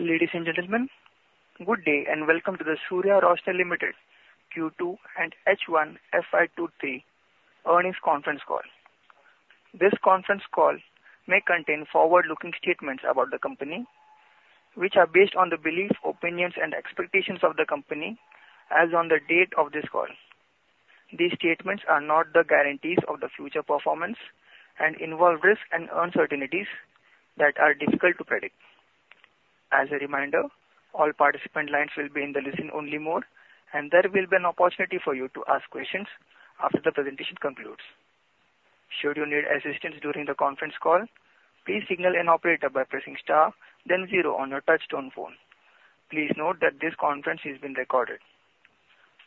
Ladies and gentlemen, good day, and welcome to the Surya Roshni Limited Q2 and H1 FY2024 earnings conference call. This conference call may contain forward-looking statements about the company, which are based on the beliefs, opinions and expectations of the company as on the date of this call. These statements are not the guarantees of the future performance and involve risks and uncertainties that are difficult to predict. As a reminder, all participant lines will be in the listen-only mode, and there will be an opportunity for you to ask questions after the presentation concludes. Should you need assistance during the conference call, please signal an operator by pressing star then zero on your touchtone phone. Please note that this conference is being recorded.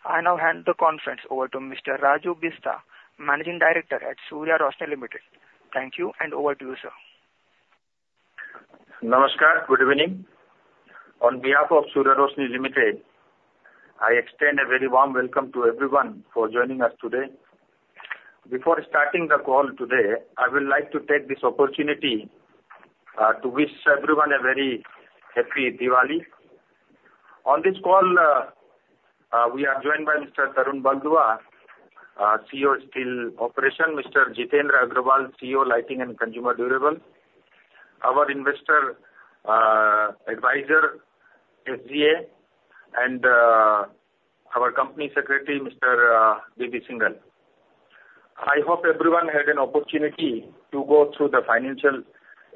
I now hand the conference over to Mr. Raju Bista, Managing Director at Surya Roshni Limited. Thank you, and over to you, sir. Namaskar, good evening. On behalf of Surya Roshni Limited, I extend a very warm welcome to everyone for joining us today. Before starting the call today, I would like to take this opportunity to wish everyone a very happy Diwali. On this call, we are joined by Mr. Tarun Baldua, our CEO, Steel Operations; Mr. Jitendra Agrawal, CEO, Lighting and Consumer Durables; our investor advisor, SGA; and our company secretary, Mr. B.B. Singal. I hope everyone had an opportunity to go through the financial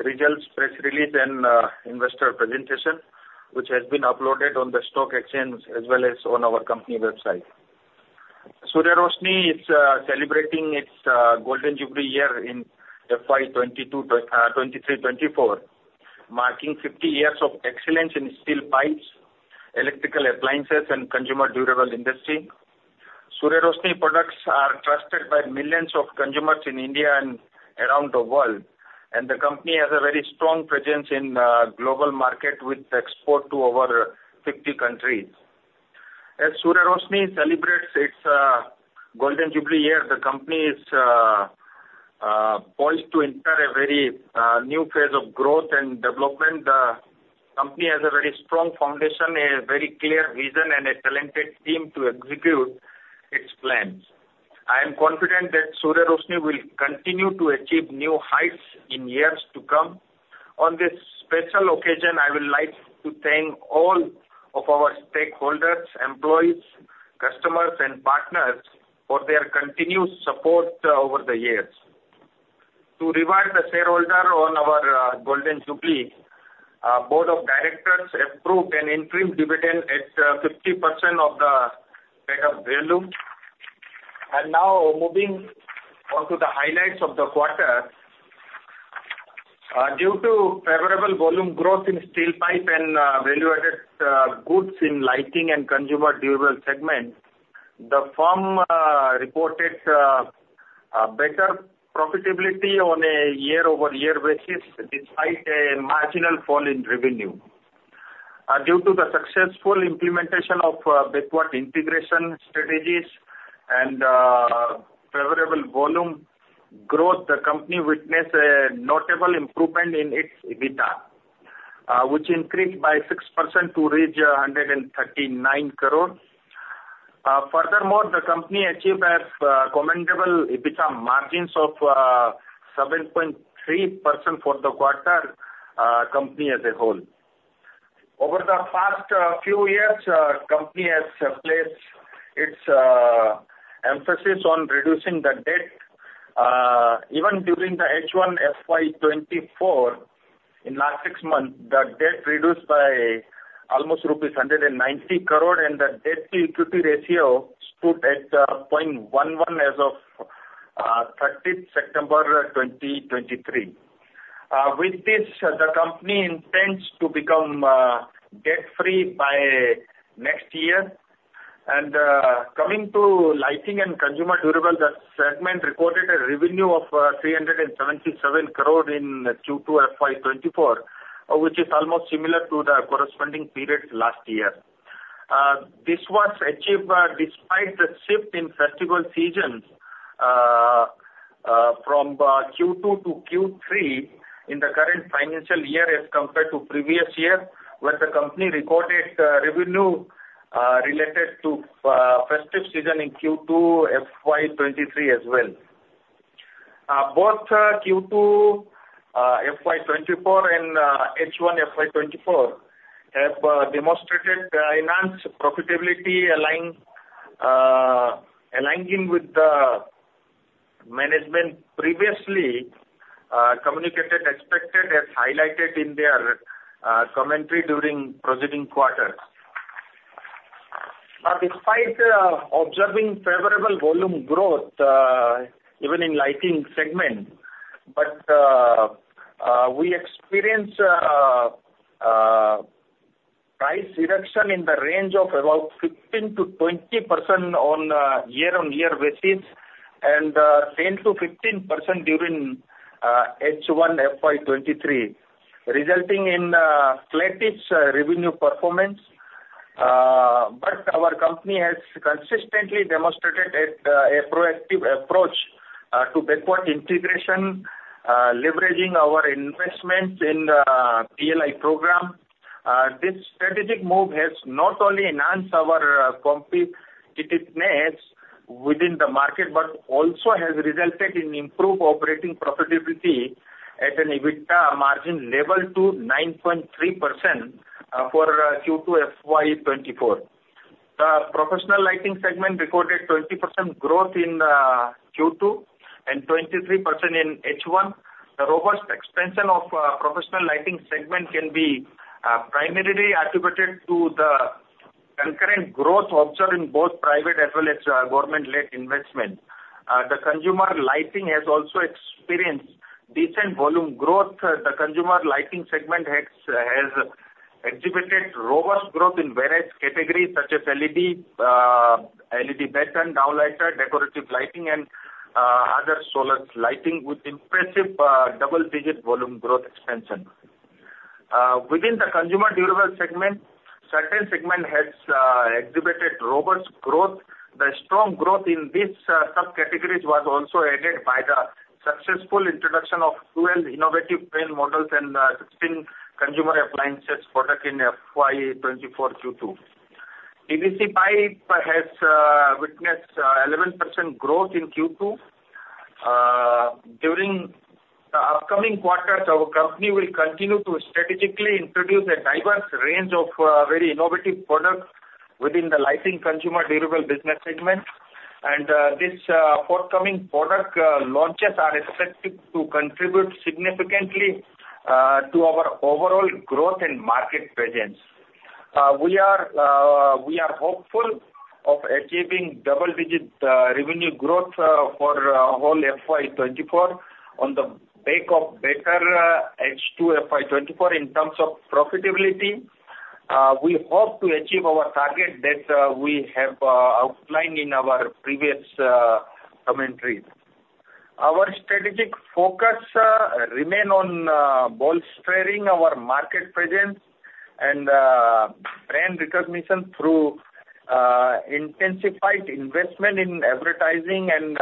results, press release, and investor presentation, which has been uploaded on the stock exchange as well as on our company website. Surya Roshni is celebrating its golden jubilee year in FY 2022, 2023, 2024, marking 50 years of excellence in steel pipes, electrical appliances, and consumer durable industry. Surya Roshni products are trusted by millions of consumers in India and around the world, and the company has a very strong presence in global market with export to over 50 countries. As Surya Roshni celebrates its golden jubilee year, the company is poised to enter a very new phase of growth and development. The company has a very strong foundation, a very clear vision, and a talented team to execute its plans. I am confident that Surya Roshni will continue to achieve new heights in years to come. On this special occasion, I would like to thank all of our stakeholders, employees, customers, and partners for their continued support over the years. To reward the shareholder on our golden jubilee, our Board of Directors approved an interim dividend at 50% of the face value. Now moving on to the highlights of the quarter. Due to favorable volume growth in steel pipe and value-added goods in lighting and consumer durable segment, the firm reported a better profitability on a year-over-year basis, despite a marginal fall in revenue. Due to the successful implementation of backward integration strategies and favorable volume growth, the company witnessed a notable improvement in its EBITDA, which increased by 6% to reach 139 crore. Furthermore, the company achieved a commendable EBITDA margins of 7.3% for the quarter, company as a whole. Over the past few years, our company has placed its emphasis on reducing the debt. Even during the H1 FY 2024, in the last six months, the debt reduced by almost rupees 190 crore, and the debt-to-equity ratio stood at 0.11 as of 30th September 2023. With this, the company intends to become debt free by next year. Coming to lighting and consumer durables, that segment recorded a revenue of 377 crore in Q2 FY 2024, which is almost similar to the corresponding period last year. This was achieved despite the shift in festival seasons from Q2 to Q3 in the current financial year as compared to the previous year, when the company recorded revenue related to the festive season in Q2 FY 2023 as well. Both Q2 FY 2024 and H1 FY 2024 have demonstrated enhanced profitability, aligning with the management previously communicated expected, and highlighted in their commentary during preceding quarters. Now, despite observing favorable volume growth even in lighting segment, but we experienced price reduction in the range of about 15%-20% on a year-on-year basis and 10%-15% during H1 FY 2023, resulting in flattish revenue performance. Our company has consistently demonstrated a proactive approach to backward integration, leveraging our investments in the PLI program. This strategic move has not only enhanced our competitiveness within the market, but also has resulted in improved operating profitability at an EBITDA margin level to 9.3% for Q2 FY 2024. The professional lighting segment recorded 20% growth in Q2 and 23% in H1. The robust expansion of professional lighting segment can be primarily attributed to the concurrent growth observed in both private as well as government-led investment. The consumer lighting has also experienced decent volume growth. The consumer lighting segment has exhibited robust growth in various categories such as LED, LED batten and downlighter, decorative lighting and other solar lighting, with impressive double-digit volume growth expansion. Within the consumer durable segment, certain segment has exhibited robust growth. The strong growth in these subcategories was also aided by the successful introduction of 12 innovative brand models and 16 consumer appliances product in FY 2024 Q2. PVC pipe has witnessed 11% growth in Q2. During the upcoming quarters, our company will continue to strategically introduce a diverse range of very innovative products within the lighting consumer durable business segment. This forthcoming product launches are expected to contribute significantly to our overall growth and market presence. We are hopeful of achieving double-digit revenue growth for whole FY 2024 on the back of better H2 FY 2024 in terms of profitability. We hope to achieve our target that we have outlined in our previous commentary. Our strategic focus remain on bolstering our market presence and brand recognition through intensified investment in advertising and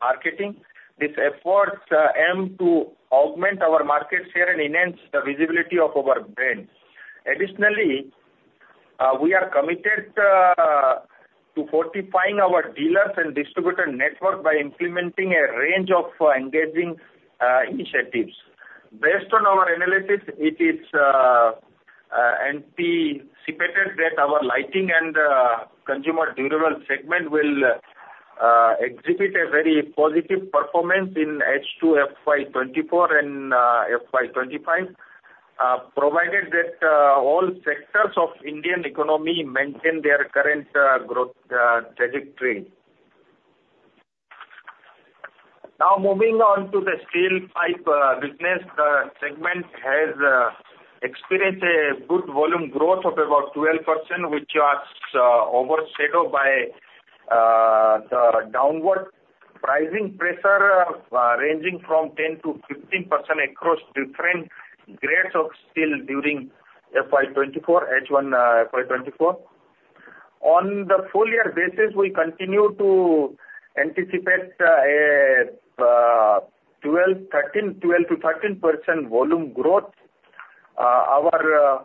marketing. These efforts aim to augment our market share and enhance the visibility of our brand. Additionally, we are committed to fortifying our dealers and distributor network by implementing a range of engaging initiatives. Based on our analysis, it is anticipated that our lighting and consumer durable segment will exhibit a very positive performance in H2 FY 2024 and FY 2025, provided that all sectors of Indian economy maintain their current growth trajectory. Now, moving on to the steel pipe business. The segment has experienced a good volume growth of about 12%, which was overshadowed by the downward pricing pressure ranging from 10%-15% across different grades of steel during FY 2024, H1, FY 2024. On the full year basis, we continue to anticipate a 12%-13% volume growth. Our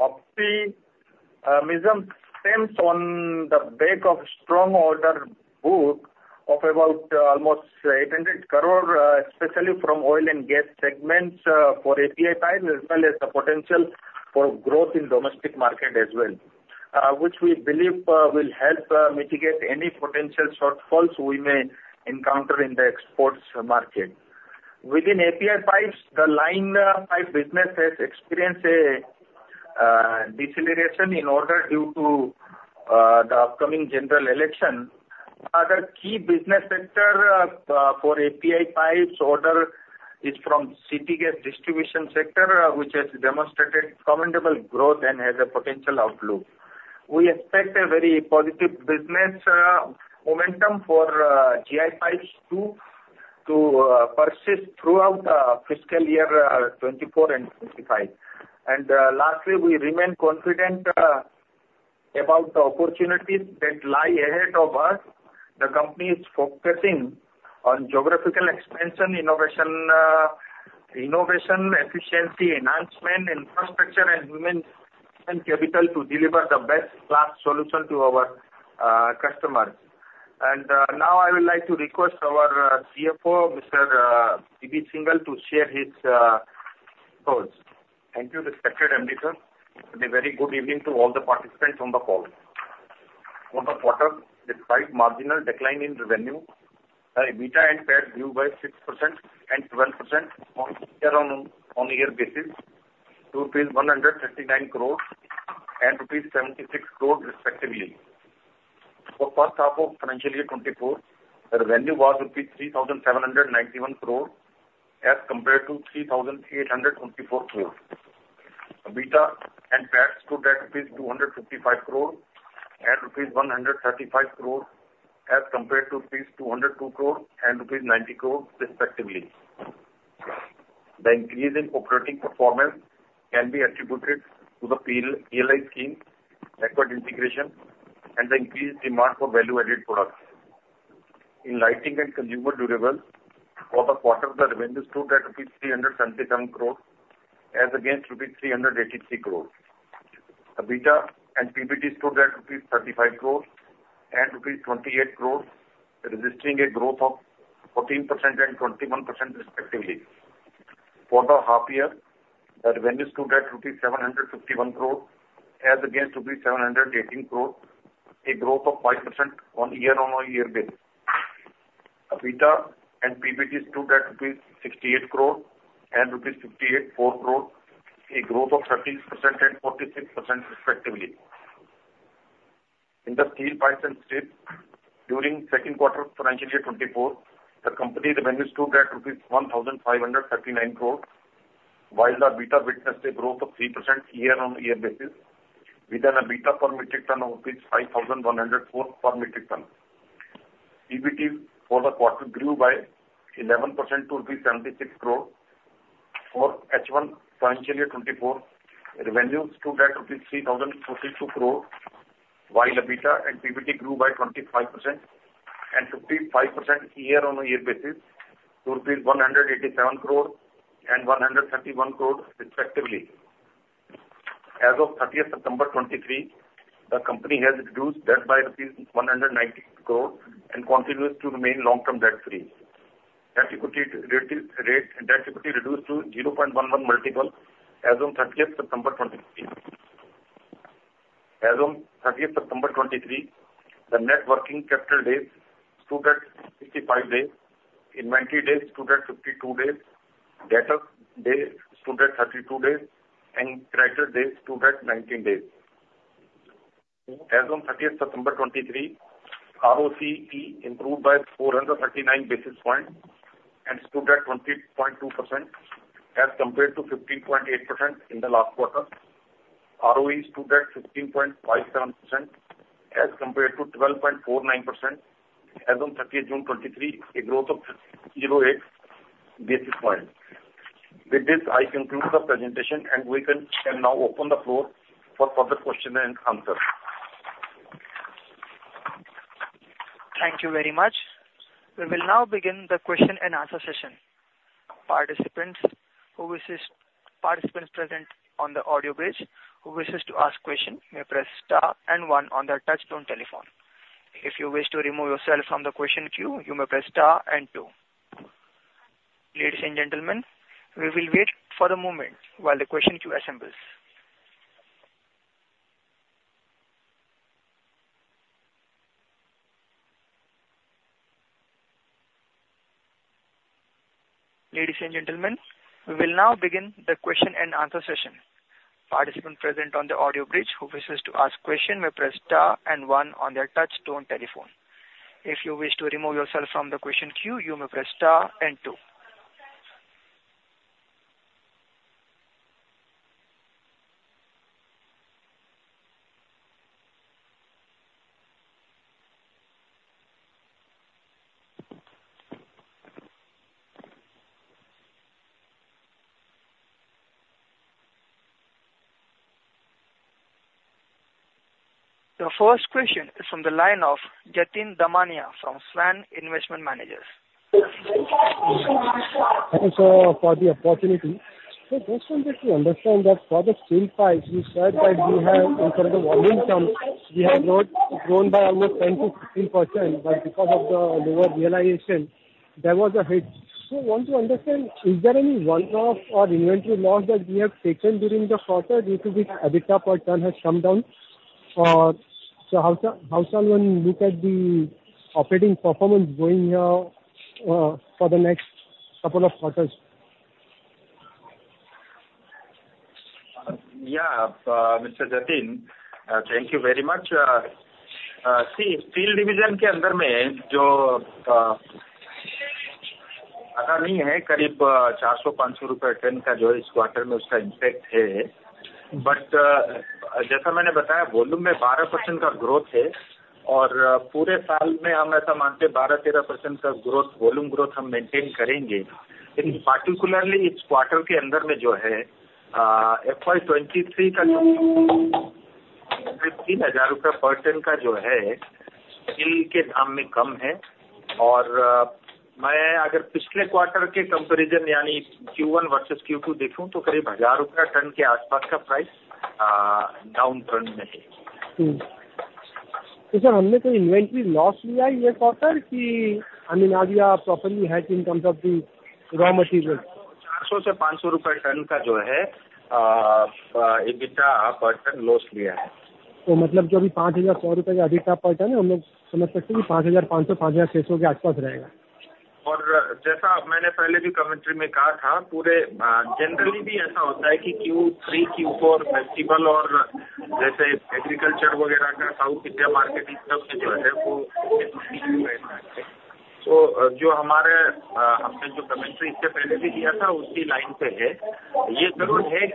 optimism stems on the back of strong order book of about almost 800 crore, especially from oil and gas segments, for API Pipes, as well as the potential for growth in domestic market as well, which we believe will help mitigate any potential shortfalls we may encounter in the exports market. Within API Pipes, the line pipe business has experienced a deceleration in order due to the upcoming general election. Other key business sector for API Pipes order is from city gas distribution sector, which has demonstrated commendable growth and has a potential outlook. We expect a very positive business momentum for GI Pipes, too, to persist throughout the fiscal year 2024 and 2025. Lastly, we remain confident about the opportunities that lie ahead of us. The company is focusing on geographical expansion, innovation, efficiency, enhancement, infrastructure, and human and capital to deliver the best class solution to our customers. Now I would like to request our CFO, Mr. B.B. Singhal, to share his thoughts. Thank you, respected MD, sir. A very good evening to all the participants on the call. On the quarter, despite marginal decline in revenue, EBITDA and PAT grew by 6% and 12% year-over-year to rupees 139 crore and rupees 76 crore respectively. For first half of financial year 2024, the revenue was rupees 3,791 crore as compared to 3,824 crore. EBITDA and PAT stood at rupees 255 crore and rupees 135 crore, as compared to rupees 202 crore and rupees 90 crore respectively. The increase in operating performance can be attributed to the PLI scheme, backward integration, and the increased demand for value added products. In Lighting and Consumer Durables, for the quarter, the revenues stood at rupees 377 crore as against rupees 383 crore. EBITDA and PBT stood at rupees 35 crore and rupees 28 crore, registering a growth of 14% and 21% respectively. For the half year, the revenues stood at rupees 751 crore as against rupees 718 crore, a growth of 5% on year-on-year basis. EBITDA and PBT stood at 68 crore and 58.4 crore, a growth of 13% and 46% respectively. In the steel pipes and strips, during second quarter of financial year 2024, the company's revenues stood at rupees 1,539 crore, while the EBITDA witnessed a growth of 3% year-on-year basis, with an EBITDA per metric ton of rupees 5,104 per metric ton. PBT for the quarter grew by 11% to rupees 76 crore. For H1 financial year 2024, revenues stood at rupees 3,042 crore, while EBITDA and PBT grew by 25% and 55% year-on-year basis to 187 crore and 131 crore respectively. As of 30th September 2023, the company has reduced debt by INR 190 crore and continues to remain long-term debt free. Net debt-to-equity ratio, net equity reduced to 0.11x multiple as on 30th September 2023. As on 30th September 2023, the net working capital days stood at 55 days, inventory days stood at 52 days, debtor days stood at 32 days, and creditor days stood at 19 days. As on 30th September 2023, ROCE improved by 439 basis points and stood at 20.2% as compared to 15.8% in the last quarter. ROE stood at 15.57% as compared to 12.49% as on 30th June 2023, a growth of 8 basis points. With this, I conclude the presentation and we can now open the floor for further question-and-answer. Thank you very much. We will now begin the question-and-answer session. Participants present on the audio bridge, who wishes to ask question, may press star and one on their touchtone telephone. If you wish to remove yourself from the question queue, you may press star and two. Ladies and gentlemen, we will wait for a moment while the question queue assembles. Ladies and gentlemen, we will now begin the question-and-answer session. Participant present on the audio bridge who wishes to ask question may press star and one on their touchtone telephone. If you wish to remove yourself from the question queue, you may press star and two. Your first question is from the line of Jatin Damania from Svan Investment Managers. Thank you, sir, for the opportunity. So just wanted to understand that for the steel pipes, you said that you have in terms of volume term, you have grown by almost 10%-15%, but because of the lower realization, there was a hit. So want to understand, is there any one off or inventory loss that we have taken during the quarter due to which EBITDA per ton has come down? Or so how shall one look at the operating performance going for the next couple of quarters? Yeah, Mr. Jatin, thank you very much. See, steel division, inside of it, there is not much, around INR 400-INR 500 per ton, which is the impact of this quarter. But, as I said, there is a 12% growth in volume, and we believe that we will maintain 12%-13% growth, volume growth throughout the year. In particularly, within this quarter, FY 2023's- around INR 3,000 per ton is less in the name of steel. And if I look at the comparison of the previous quarter, that is, Q1 versus Q2, the price is around INR 1,000 per ton, is in a downtrend. Sir, have we taken any inventory loss this quarter, or, I mean, have we properly hedged in terms of the raw material? INR 400-INR 500 per ton EBITDA per ton loss we have taken. That means that the per ton, which is now more than INR 5,100, we can understand that it will be around INR 5,500-INR 5,600. As I said earlier in the commentary, generally it is also like this, that Q3, Q4, festival and like agriculture, etc., South India market, everything is there, so what we, what we had commented on before as well, is on the same line. It is certain that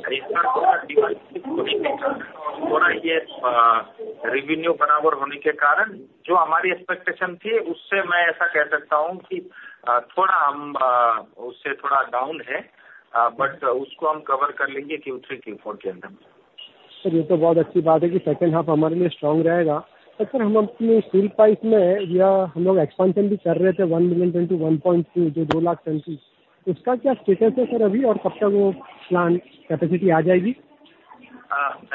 the demand for this product will not decrease.... थोड़ा ये revenue बराबर होने के कारण जो हमारी expectation थी, उससे मैं ऐसा कह सकता हूं कि थोड़ा उससे थोड़ा डाउन है, बट उसको हम कवर कर लेंगे। कि Q3, Q4 के अंदर। सर, ये तो बहुत अच्छी बात है कि second half हमारे लिए strong रहेगा। सर हम अपनी steel pipe में या हम लोग expansion भी कर रहे थे। 1 million to 1.2 जो 2 लाख सेंटीज, उसका क्या status है सर अभी और कब तक वो plan capacity आ जाएगी?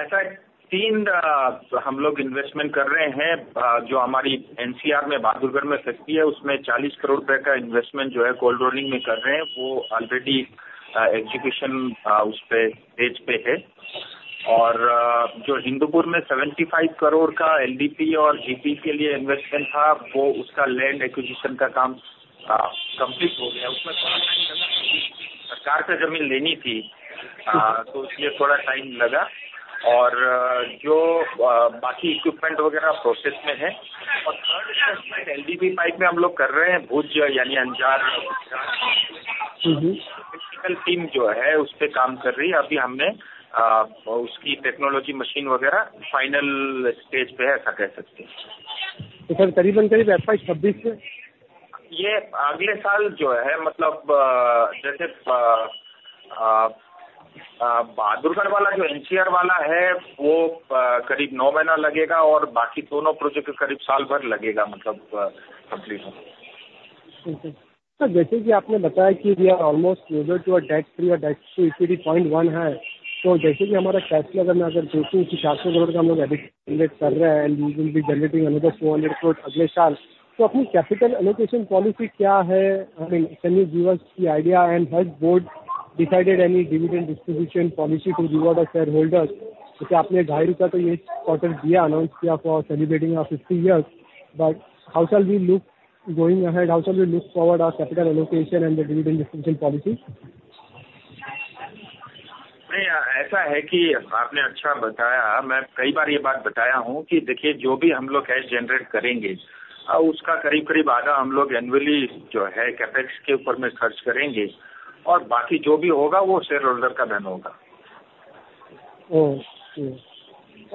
ऐसा है, तीन हम लोग इन्वेस्टमेंट कर रहे हैं, जो हमारी NCR में बहादुरगढ़ में फैक्ट्री है। उसमें INR 40 करोड़ का इन्वेस्टमेंट जो है, कोल्ड रोलिंग में कर रहे हैं। वो ऑलरेडी एग्जीक्यूशन उस पे स्टेज पे है और जो हिंदुपुर में 75 करोड़ का LDP और GP के लिए इन्वेस्टमेंट था, वो उसका लैंड एक्विजिशन का काम कम्पलीट हो गया। उसमें थोड़ा टाइम सरकार से जमीन लेनी थी, तो इसलिए थोड़ा टाइम लगा और जो बाकी इक्विपमेंट वगैरह प्रोसेस में है और थर्ड इन्वेस्टमेंट LDP पाइप में हम लोग कर रहे हैं। भुज यानी अंजार। टेक्निकल टीम जो है, उस पर काम कर रही है। अभी हमने उसकी टेक्नोलॉजी, मशीन वगैरह फाइनल स्टेज पर है, ऐसा कह सकते हैं। तो सर, करीबन FY-2026 है। Yeh agle saal jo hai. Matlab jaise Bahadurgarh wala jo NCR wala hai, woh kareeb 9 mahina lagega aur baaki dono project kareeb saal bhar lagega. Matlab complete hone mein. As you have told that we are almost closer to debt-to-equity 0.1 so like that our cash if I if see then INR 400 crore we people add doing are and we will be generating another INR 400 crore next year. So our capital allocation policy what is? I mean can you give us the idea and has Board decided any dividend distribution policy to reward the shareholder, like you have INR 2.5 then this quarter given announce done for celebrating of 50 years. But how shall we look going ahead, how shall we look forward, capital allocation and dividend distribution policy. ऐसा है कि आपने अच्छा बताया। मैं कई बार यह बात बताया हूं कि देखिए, जो भी हम लोग कैश जनरेट करेंगे, उसका करीब करीब आधा हम लोग एनुअली जो है, CapEx के ऊपर में खर्च करेंगे और बाकी जो भी होगा, वह शेयरहोल्डर का धन होगा।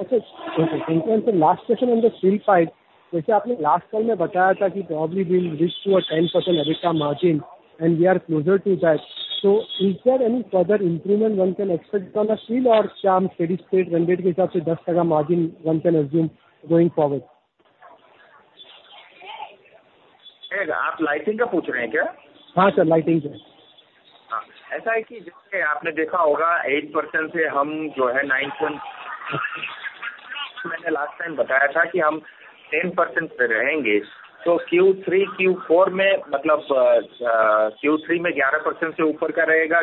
Okay, last question on the steel pipe. As you had told last time that problem will reach to 10% EBITDA margin and we are closer to that. So is there any further improvement one can expect on the steel and steady state ke hisab se 10% margin one can assume going forward? आप lighting का पूछ रहे हैं क्या? Haan, sir, lighting se. हां, ऐसा है कि जैसे आपने देखा होगा, 8% से हम जो है 9. मैंने लास्ट टाइम बताया था कि हम 10% पर रहेंगे तो Q3, Q4 में मतलब Q3 में 11% से ऊपर का रहेगा.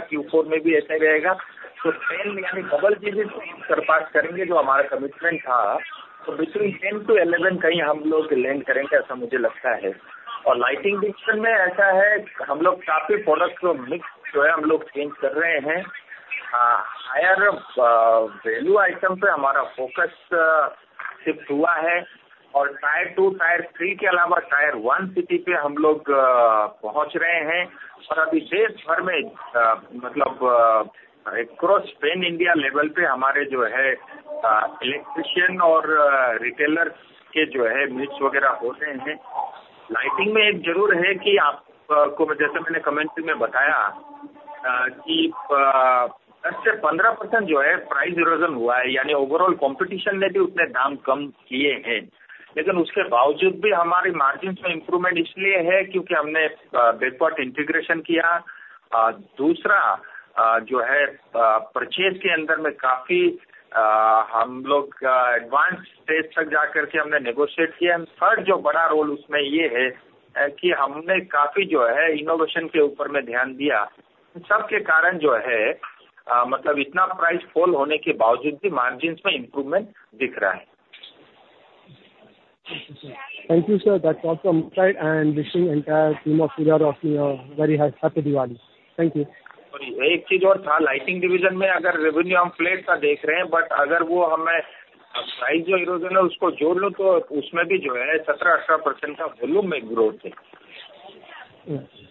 Q4 में भी ऐसा ही रहेगा. तो 10 यानी डबल डिजिटल हम कर पार करेंगे. जो हमारा कमिटमेंट था तो बिटवीन 10-11% कहीं हम लोग लैंड करेंगे, ऐसा मुझे लगता है. और लाइटिंग डिविजन में ऐसा है, हम लोग काफी प्रोडक्ट मिक्स जो है, हम लोग चेंज कर रहे हैं. हायर वैल्यू आइटम पर हमारा फोकस शिफ्ट हुआ है और टियर टू टियर थ्री के अलावा टियर वन सिटी पर हम लोग पहुंच रहे हैं और अभी देश भर में मतलब एक्रॉस पैन इंडिया लेवल पर हमारे जो है, इलेक्ट्रीशियन और रिटेलर के जो है, मिक्स वगैरह होते हैं. लाइटिंग में एक जरूर है कि आपको जैसे मैंने कमेंट में बताया कि 10-15% जो है प्राइस एरोजन हुआ है. यानी ओवरऑल कॉम्पिटिशन ने भी उतने दाम कम किए हैं, लेकिन उसके बावजूद भी हमारे मार्जिन्स में इंप्रूवमेंट इसलिए है, क्योंकि हमने बैकवर्ड इंटिग्रेशन किया और दूसरा जो है, परचेज के अंदर में काफी हम लोग एडवांस स्टेज तक जाकर के हमने नेगोशिएट किया और थर्ड जो बड़ा रोल उसमें यह है कि हमने काफी जो है, इनोवेशन के ऊपर में ध्यान दिया. इन सबके कारण जो है मतलब इतना प्राइस फॉल होने के बावजूद भी मार्जिन्स में इंप्रूवमेंट दिख रहा है. Thank you, sir! And wishing the entire team a very happy Diwali. Thank you. Ek cheez aur tha lighting division mein agar revenue hum flat ko dekh rahe hain, but agar woh humein price jo erosion hai, usko jod lo to usmein bhi jo hai, 17%-18% ka volume mein growth hai.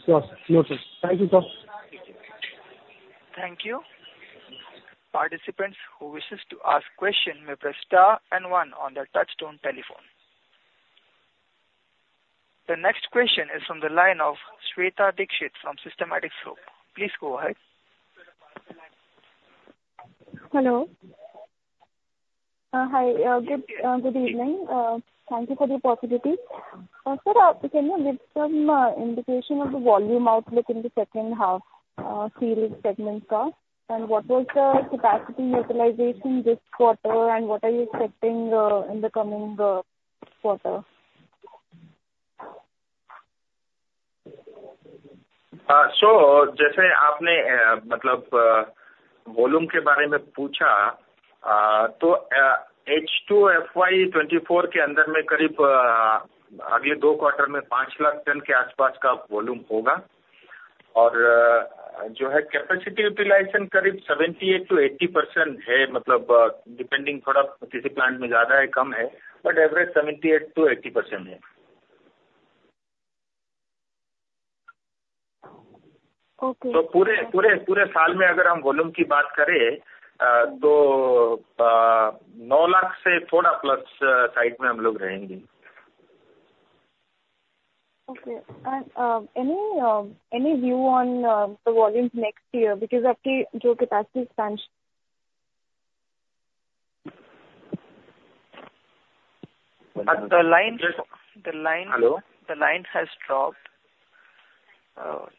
Thank you sir. Thank you. Participants who wish to ask question, press star and one on the touch tone phone. The next question is from the line of Shweta Dikshit from Systematix, so please go ahead. Hello, hi. Good evening. Thank you for the possibility. Sir, can you give some indication of the volume outlook in the second half steel segment and what is the capacity utilization this quarter and what are you expecting in the coming quarter? So jaise aapne matlab volume ke baare mein poocha to H2 FY 2024 ke andar mein kareeb agle do quarter mein 500,000 tons ke aaspaas ka volume hoga aur jo hai capacity utilization kareeb 78%-80% hai. Matlab depending thoda kisi plant mein zyada hai, kam hai, but average 78%-80% hai. To poore saal mein agar hum volume ki baat karen to 900,000 tons+ mein hum log rahenge. Okay, any view on the volume next year, which is actually the capacity. The line, the line, the line has dropped.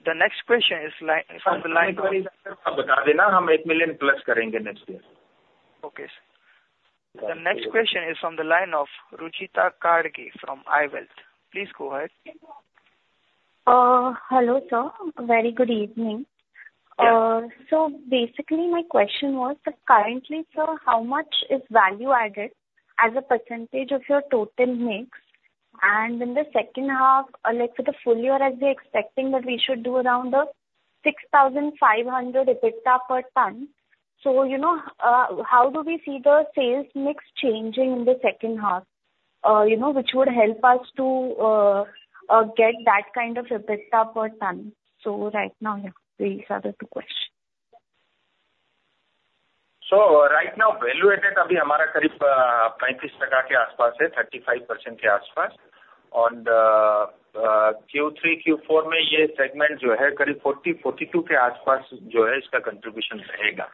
The next question is the line. Bata dena hum 1 million plus karenge next year. Okay sir, the next question is from the line of Ruchita Ghadge from iWealth. Please go ahead. Hello sir, very good evening! So basically my question was that currently sir how much is value added as a percentage of your total mix and in the second half like for the full year as we expecting that we should do around 6,500 EBITDA per ton. So you know, how do we see the sales mix changing in the second half. You know, which would help us to get that kind of EBITDA per ton. So right now, please add to question. Right now, value-added abhi hamara kareeb 35% ke aaspaas hai, 35% ke aaspaas, Q3 Q4 mein yeh segment jo hai, kareeb 40-42% ke aaspaas jo hai, iska contribution rahega.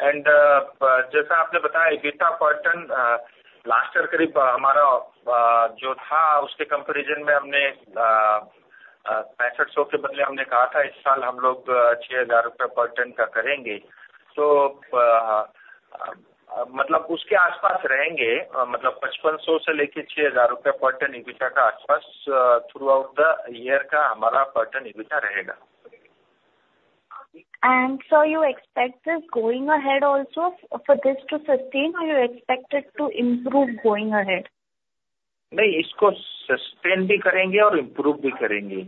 Jaise aapne bataya, EBITDA per ton last year kareeb hamara jo tha, uske comparison mein humne 6,500 ke badle humne kaha tha, is saal hum log 6,000 per ton ka karenge to matlab uske aaspaas rahenge. Matlab 5,500 se lekar 6,000 INR per ton EBITDA ke aaspaas throughout the year ka hamara per ton EBITDA rahega. And so you expecting going ahead also for this to sustain and expected to improve going ahead. नहीं, इसको sustain भी करेंगे और improve भी करेंगे,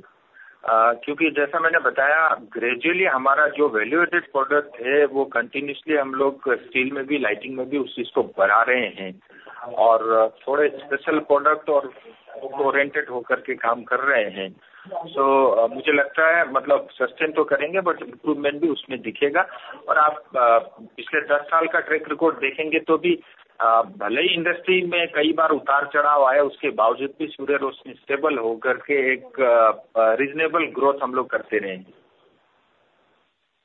क्योंकि जैसा मैंने बताया, ग्रैजुअली हमारा जो वैल्यू एडेड प्रोडक्ट है, वह कंटीन्यूअसली हम लोग स्टील में भी लाइटिंग में भी उसको बढ़ा रहे हैं और थोड़े स्पेशल प्रोडक्ट और ओरिएंटेड होकर के काम कर रहे हैं। सो मुझे लगता है मतलब सस्टेन तो करेंगे, बट इंप्रूवमेंट भी उसमें दिखेगा और आप पिछले दस साल का ट्रैक रिकॉर्ड देखेंगे तो भी भले ही इंडस्ट्री में कई बार उतार चढ़ाव आए, उसके बावजूद भी सूर्य रोशनी स्टेबल होकर के एक रीजनेबल ग्रोथ हम लोग करते रहेंगे।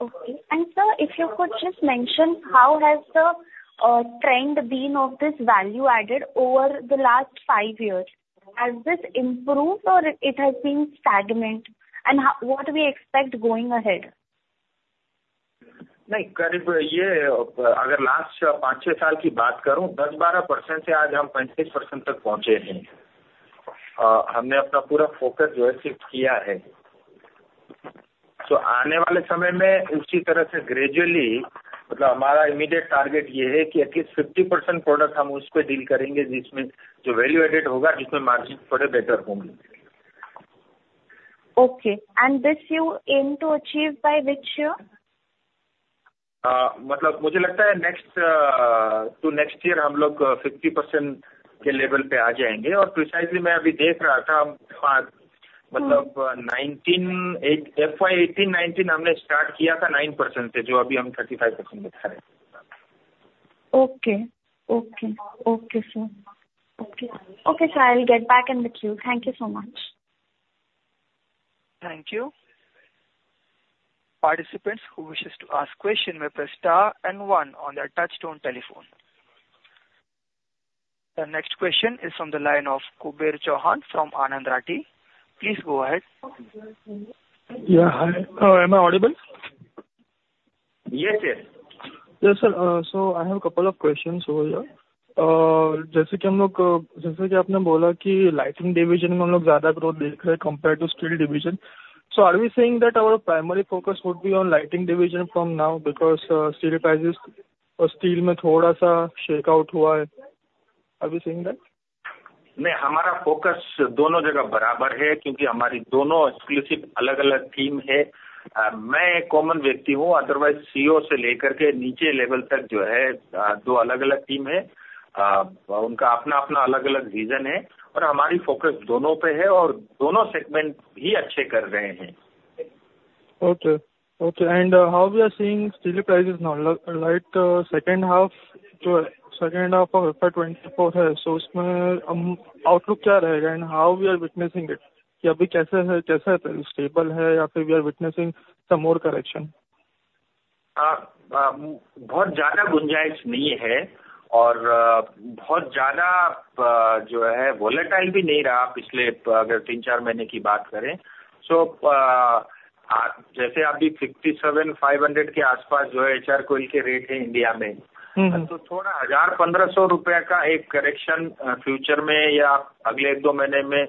Okay and sir, if you could just mention how has the trend been of this value added over the last five years, has this improve or it has been stagnant and what we expect going ahead? roughly this if last 5-6 years' thing I talk about, 10%-12% from today we 35% till reached are. We have our complete focus shift done is. So coming time in same way gradually meaning our immediate target this is that at least 50% product we that on deal will do, in which whatever value added will be, in which margins slightly better will be. Okay, and this you intend to achieve by which year? Matlab mujhe lagta hai next to next year hum log 50% ke level par aa jayenge. Aur precisely main abhi dekh raha tha. Matlab FY 2018-2019 humne start kiya tha 9% se, jo abhi hum 35% dikha rahe hain. Okay, okay, okay sir, okay, okay, sir, I will get back in the queue. Thank you so much. Thank you. Participants who wish to ask a question, press star and one on your touchtone telephone. The next question is from the line of Kuber Chauhan from Anand Rathi. Please go ahead. Ya, I am audible. Yes sir. Yes sir, I have a couple of questions over here. Jaise ki hum log jaise ki aapne bola ki lighting division mein hum log zyada growth dekh rahe hain, compare to steel division. Are we saying that our primary focus would be on lighting division from now, because steel price aur steel mein thoda sa shakeout hua hai. Are we saying that. नहीं, हमारा focus दोनों जगह बराबर है, क्योंकि हमारी दोनों exclusive अलग अलग टीम है। मैं एक कॉमन व्यक्ति हूं। अदरवाइज CEO से लेकर के नीचे लेवल तक जो है, दो अलग अलग टीम है। उनका अपना अपना अलग अलग विजन है और हमारी फोकस दोनों पर है और दोनों सेगमेंट ही अच्छे कर रहे हैं। Okay, okay and how we are seeing steel prices now, like second half jo hai second half of FY 2024 hai, to usmein ham outlook kya rahega and how we are witnessing it. Ki abhi kaise hai, kaisa stable hai ya phir we are witnessing some more correction. बहुत ज्यादा गुंजाइश नहीं है और बहुत ज्यादा जो है, वोलेटाइल भी नहीं रहा। पिछले तीन चार महीने की बात करें तो जैसे अभी 57,500 के आसपास जो है, HR Coil के रेट है इंडिया में। तो थोड़ा 1,000-1,500 रुपए का एक करेक्शन फ्यूचर में या अगले दो महीने में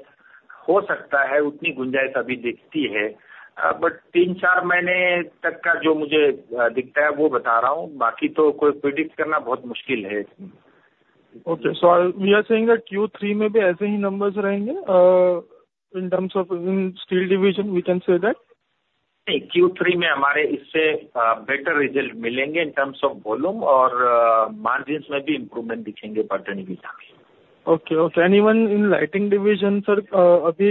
हो सकता है, उतनी गुंजाइश अभी दिखती है। तीन चार महीने तक का जो मुझे दिखता है, वो बता रहा हूं। बाकी तो प्रिडिक्ट करना बहुत मुश्किल है। Okay, so we are seeing ki Q3 mein bhi aise hi numbers rahenge. In terms of steel division we can say that. Q3 mein hamare isse behtar result milenge. Terms of volume aur margins mein bhi improvement dikhenge, par ton ke hisab se.... Okay, okay, and even in lighting division, sir, abhi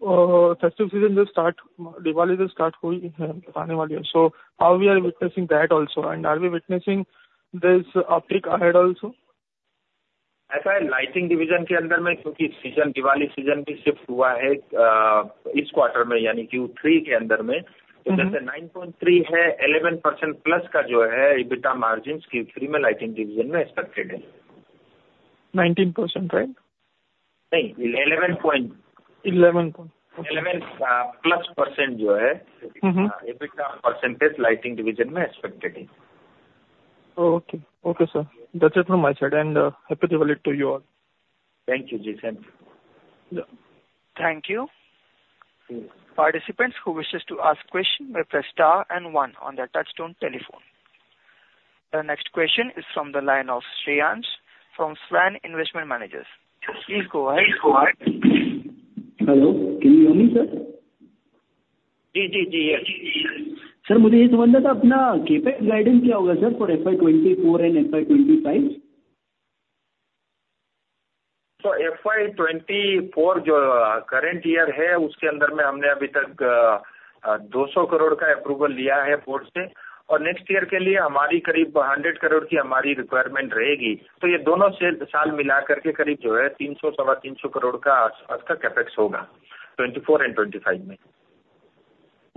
festival season jo start Diwali to start hui hai, aane wali hai. So how we are witnessing that also and are we witnessing this uptick ahead also. ऐसा है lighting division के अंदर में क्योंकि season Diwali season भी shift हुआ है। इस क्वार्टर में यानी कि Q3 के अंदर में उधर से 9.3 है। 11%+ का जो है, EBITDA मार्जिन की फ्री में लाइटिंग डिवीजन में एक्सपेक्टेड है। 19% right. No 11 point. Eleven point 11%+ जो है, EBITDA % Lighting Division expected है। Okay, okay sir, that's it from my side and happy Diwali to you all. Thank you, ji! Thank you. you, participants who wish to ask a question, press star and one on the touchtone phone. The next question is from the line of Shreyans from Svan Investment Managers. Please go ahead. Hello, can you hear me, sir! Ji ji ji yes. Sir, मुझे यह समझना था अपना CapEx guidance क्या होगा? Sir for FY 2024 and FY 2025। FY 2024 जो current year है, उसके अंदर में हमने अभी तक INR 200 crore का approval लिया है board से और next year के लिए हमारी करीब INR 100 crore की हमारी requirement रहेगी। ये दोनों साल मिलाकर के करीब जो है, INR 300 crore-INR 325 crore का आसपास का CapEx होगा। 2024 and 2025 में।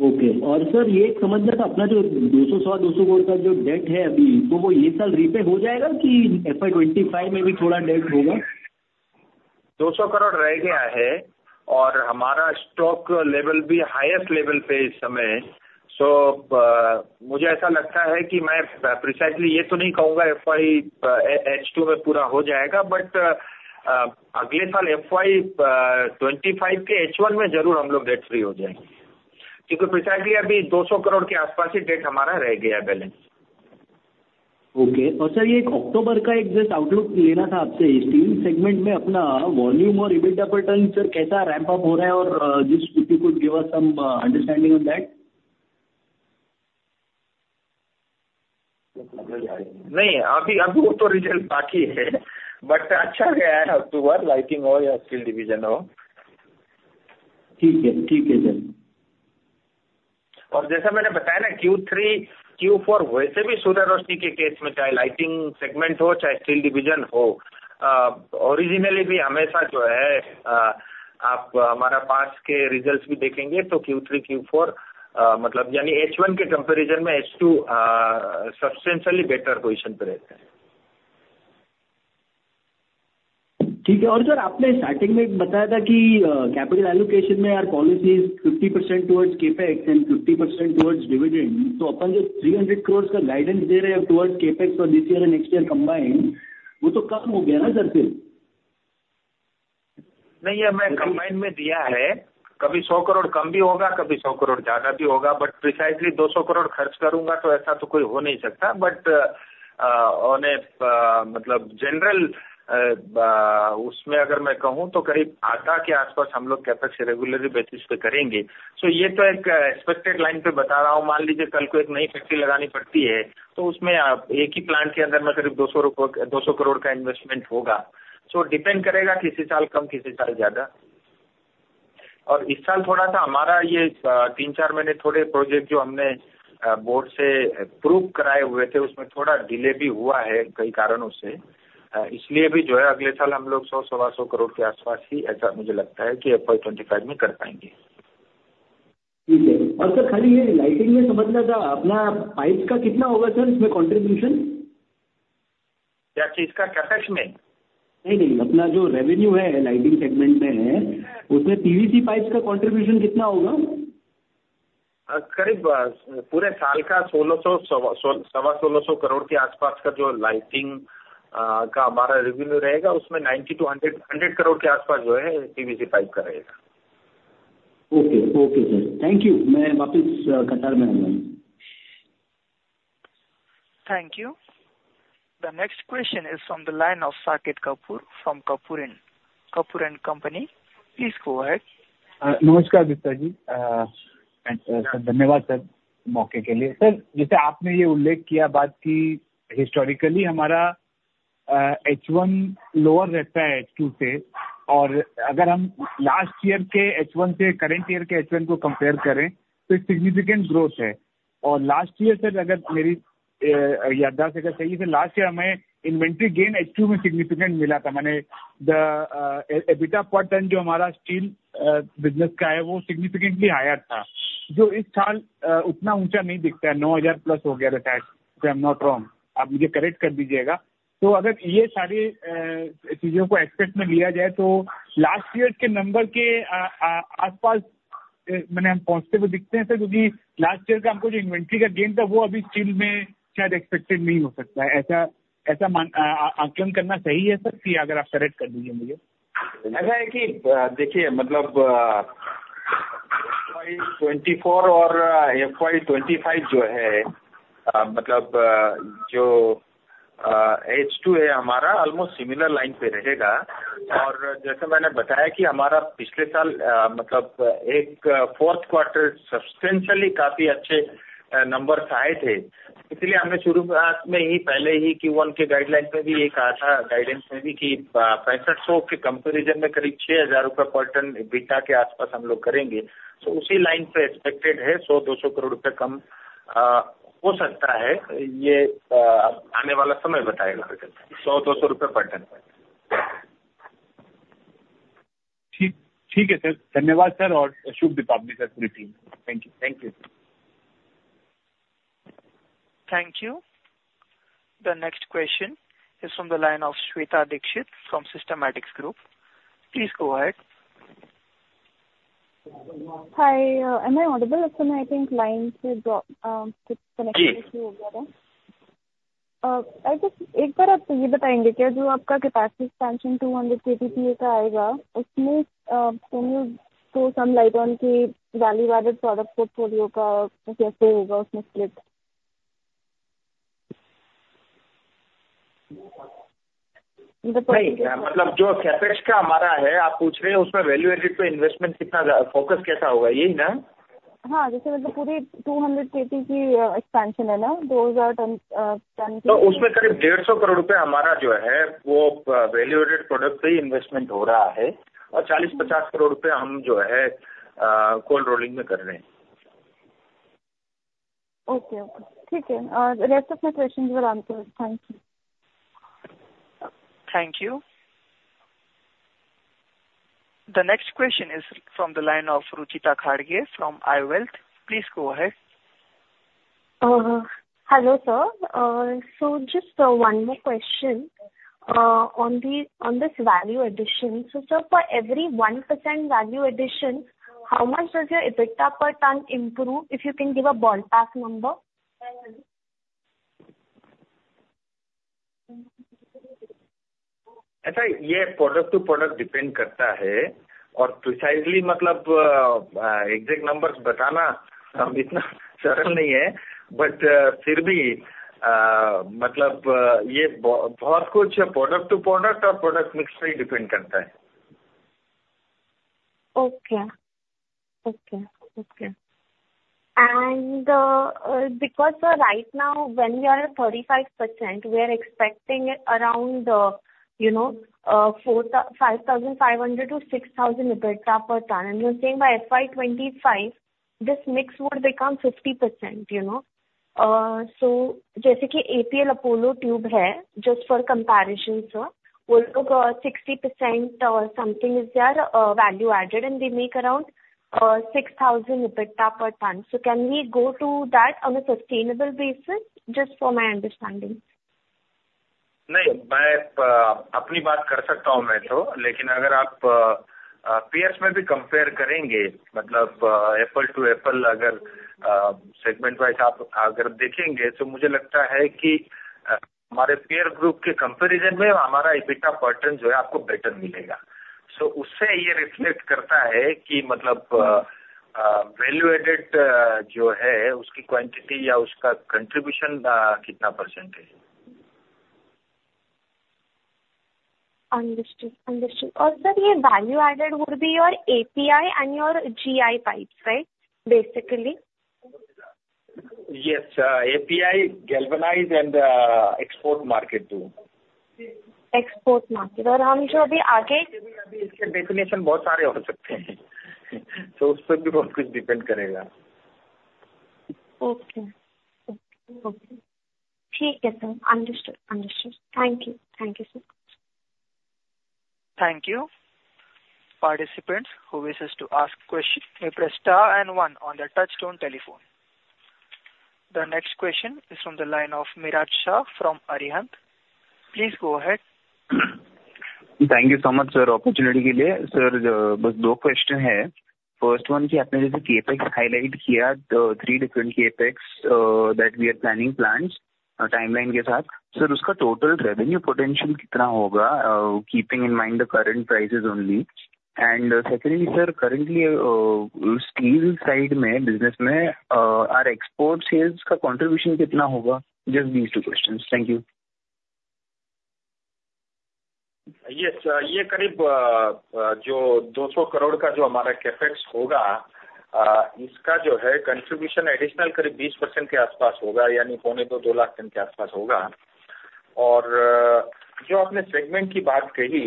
ओके, सर ये समझना था, अपना जो 200-225 करोड़ का जो डेट है, अभी तो वो ये साल रीपे हो जाएगा कि FY 2025 में भी थोड़ा डेट होगा। 200 crore रह गया है और हमारा स्टॉक लेवल भी हाईएस्ट लेवल पे इस समय है। मुझे ऐसा लगता है कि मैं प्रीसाइजली ये तो नहीं कहूंगा कि FY H2 में पूरा हो जाएगा। अगले साल FY 2025 के H1 में जरूर हम लोग डेट फ्री हो जाएंगे, क्योंकि प्रीसाइजली अभी INR 200 crore के आसपास ही डेट हमारा रह गया है balance. Okay and sir, ek October ka ek just outlook lena tha. Aap se steel segment mein apna volume aur EBITDA par turnover kaisa ramp up ho raha hai aur you could give some understanding on that. No, abhi abhi to result baki hai, but accha gaya hai. October lighting ho ya steel division ho. Theek hai, theek hai sir. And as I told you, Q3 Q4 anyway improve and in our case whether lighting segment or steel division, originally also always what is, you will also see our past results then Q3, Q4 meaning i.e. in comparison to H1, H2 substantial better position on remains. Theek hai aur sir, aapne starting mein bataya tha ki capital allocation mein hamari policy is 50% towards CapEx and 50% towards dividend. To apan jo INR 300 crore ka guidance de rahe hain, towards CapEx aur this year and next year combined wo queue. Thank you. The next question is from the line of Saket Kapoor from Kapoor & Co. Please go ahead. Namaskar, Gupta ji! धन्यवाद sir मौके के लिए। Sir, जैसे आपने यह उल्लेख किया बात की हिस्टोरिकली हमारा H1 लोअर रहता है, H2 से और अगर हम लास्ट ईयर के H1 से करंट ईयर के H1 को कंपेयर करें तो सिग्निफिकेंट ग्रोथ है और लास्ट ईयर से अगर मेरी याददाश्त सही है तो लास्ट ईयर हमें इन्वेंटरी गेन H2 में सिग्निफिकेंट मिला था। माने द EBITDA पर टन जो हमारा स्टील बिजनेस का है, वो सिग्निफिकेंटली हायर था, जो इस साल उतना ऊंचा नहीं दिखता है। 9,000 प्लस हो गया था, if I am not wrong। आप मुझे करेक्ट कर दीजिएगा। तो अगर ये सारी चीजों को एस्पेक्ट में लिया जाए तो लास्ट ईयर के नंबर के आसपास हम पहुंचते हुए दिखते हैं। सर क्योंकि लास्ट ईयर का हमको जो इन्वेंटरी का गेन था, वो अभी स्टील में शायद एक्सपेक्टेड नहीं हो सकता है। ऐसा ऐसा आकलन करना सही है सर कि अगर आप करेक्ट कर दीजिए मुझे। ऐसा है कि देखिए मतलब 2024 और 2025 जो है मतलब जो H2 है, हमारा almost similar line पे रहेगा और जैसे मैंने बताया कि हमारा पिछले साल मतलब एक fourth quarter substantial काफी अच्छे... number side है। इसलिए हमने शुरुआत में ही पहले ही Q1 के guidelines में भी ये कहा था, guidance में भी कि 6,500 के comparison में करीब 6,000 रुपए per ton EBITDA के आसपास हम लोग करेंगे, तो उसी line से expected है। 100-200 crore रुपए कम हो सकता है। ये आने वाला समय बताएगा कि 100-200 रुपए per ton। Theek hai sir. Dhanyavaad sir aur shubh deepavali sir sabhi ko. Thank you, thank you! Thank you. The next question is from the line of Shweta Dikshit from Systematix Group. Please go ahead. Hi, am I audible, sir? I think line se drop connection issue ho gaya tha. Ek baar aap ye bataayenge kya, jo aapka capacity expansion to 200 KTPA ka aayega. Usme to some lighting ki value added product portfolio ka kaise hoga usme split? नहीं, मतलब जो capex का हमारा है, आप पूछ रहे हैं उसमें वैल्यू एडेड पर इन्वेस्टमेंट कितना फोकस कैसा होगा? यही ना। Haan, jaise matlab poori 200 KTPA ki expansion hai na. 2,000 tons तो उसमें करीब INR 150 crore हमारा जो है वो वैल्यू एडेड प्रोडक्ट पर इन्वेस्टमेंट हो रहा है और INR 40-50 crore हम जो है, कोल रोलिंग में कर रहे हैं। Okay, okay theek hai aur rest of my question par answers. Thank you. Thank you. The next question is from the line of Ruchita Ghadge from iWealth. Please go ahead. Hello, sir! So just one more question on the on this value addition. So sir for every 1% value addition how much does your EBITDA per ton improve, if you can give a ballpark number. अच्छा, ये product to product depend करता है और precisely मतलब exact numbers बताना, इतना सरल नहीं है। बट फिर भी 啊... मतलब ये बहुत कुछ प्रोडक्ट टू प्रोडक्ट और प्रोडक्ट मिक्स पर डिपेंड करता है। Okay, okay, okay, because right now when you are at 35%, we are expecting around, you know, 4,500-6,000 EBITDA per ton and you are saying by FY 2025, this mix would become 50% you know. So just like APL Apollo Tubes, just for comparison sir, they have 60% and something is the value added and they make around 6,000 EBITDA per ton. So can we go to that on a sustainable basis, just for my understanding. No, I can make my point, I mean. But if you compare even with peers, meaning apple to apple. If segment-wise you look, then I think that in our peer group comparison, our EBITDA per ton, you will get better. So from that, it reflects that meaning the value added, its quantity or its contribution how much percent is. Understood, understood and sir this value added would be your API and your GI pipes right basically. Yes, API galvanized and export market too. Export market और हम जो अभी आगे इसके definition बहुत सारे हो सकते हैं, तो उस पर भी बहुत कुछ डिपेंड करेगा। Okay, okay, theek hai sir understood, understood. Thank you. Thank you, sir. Thank you. Participants who wish to ask question, press star and one on the touchtone telephone. The next question is from the line of Miraj Shah from Arihant. Please go ahead. Thank you so much sir, opportunity ke liye. Sir, bas do question hai. First one ki aapne jaise CapEx highlight kiya, three different CapEx that we are planning, plans timeline ke saath. Sir, uska total revenue potential kitna hoga? Keeping in mind the current prices only. And secondly sir, currently steel side mein business mein our export sales ka contribution kitna hoga? Just two question. Thank you. Yes, yeh kareeb jo INR 200 crore ka jo hamara CapEx hoga, iska jo hai contribution additional kareeb 20% ke aaspaas hoga. Yani paune do, do lakh ton ke aaspaas hoga aur jo aapne segment ki baat kahi.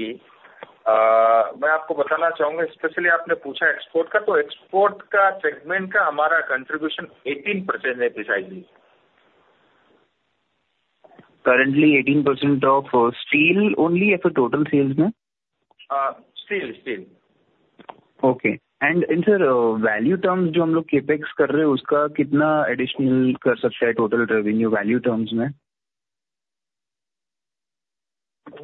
Main aapko batana chaahunga, specially aapne poocha export ka to export ka segment ka hamara contribution 18% hai precisely. Currently 18% of steel only or total sales in? Steel, steel. Okay and sir, value term jo hum log Capex kar rahe hain, uska kitna additional kar sakta hai total revenue value terms mein?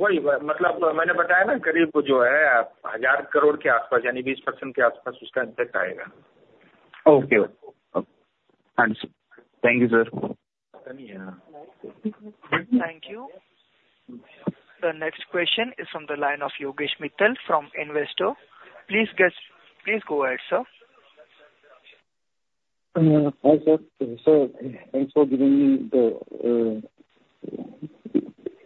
वही मतलब मैंने बताया ना, करीब जो है INR 1,000 crore के आसपास यानी 20% के आसपास उसका इफेक्ट आएगा। Okay, thank you sir. Thank you. The next question is from the line of Yogesh Mittal, individual investor. Please, please go ahead sir. Hi sir! Sir, thanks for giving me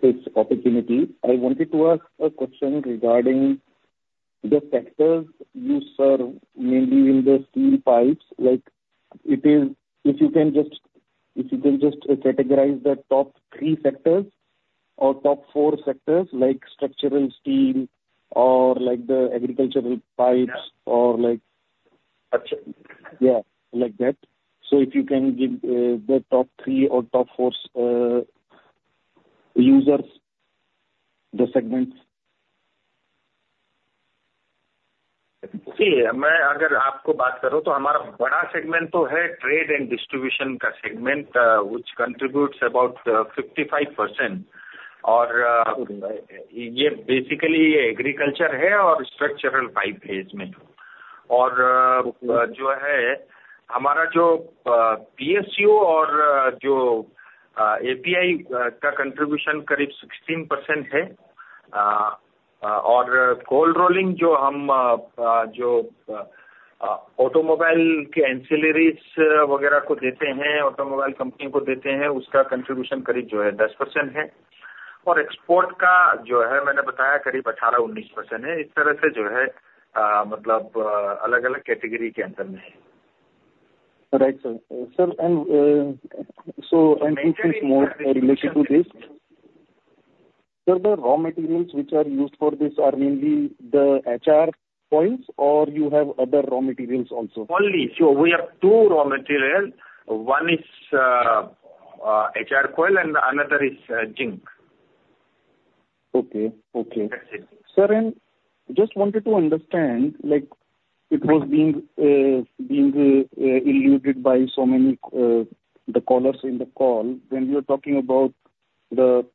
this opportunity. I wanted to ask a question regarding the sector, sir, mainly in the steel pipes like it is, if you can just categorize the top three sectors or top four sectors like structural steel and like the agricultural pipes and like. Or like that. So if you can give the top three or top four users the segment. Main agar aapko baat karun to hamara bada segment to hai trade and distribution ka segment, which contributes about 55% aur yah basically agriculture hai aur structural pipe ismein aur jo hai, hamara jo PSU aur jo API ka contribution kareeb 16% hai aur cold rolling jo ham jo automobile ke ancillary wagaira ko dete hain, automobile company ko dete hain, uska contribution kareeb jo hai 10% hai aur export ka jo hai, maine bataya kareeb 18-19% hai. Is tarah se jo hai matlab alag alag category ke andar mein hai. Right sir, sir. So related to this sir, the raw material which are used for this are mainly the HR coils or you have other raw material also. Only, so we have two raw material, one is HR coil and another is zinc. Okay okay. Sir, I just wanted to understand, like it was being illustrated by so many of the callers in the call. When you are talking about the